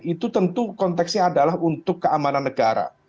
itu tentu konteksnya adalah untuk keamanan negara